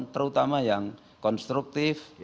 terutama yang konstruktif